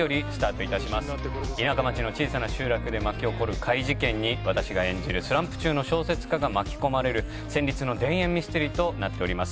田舎町の小さな集落で巻き起こる怪事件に私が演じるスランプ中の小説家が巻き込まれる戦慄の田園ミステリーとなっております。